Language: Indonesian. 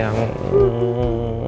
lalu jangan letters rumah kamas